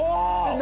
何？